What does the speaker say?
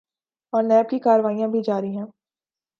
اورنیب کی کارروائیاں بھی جاری ہیں۔